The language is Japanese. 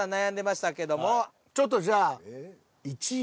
ちょっとじゃあ１位？